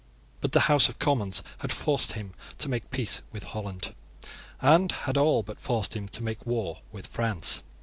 But the House of Commons had forced him to make peace with Holland, and had all but forced him to make war with France.